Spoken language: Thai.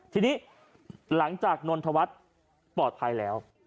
ทีนี้หลังจากนนทวัฒน์ปลอดภัยแล้ว